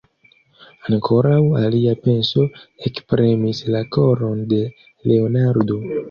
Ankoraŭ alia penso ekpremis la koron de Leonardo.